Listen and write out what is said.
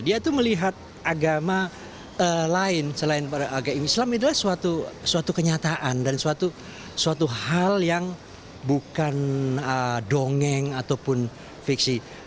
dia itu melihat agama lain selain agama islam adalah suatu kenyataan dan suatu hal yang bukan dongeng ataupun fiksi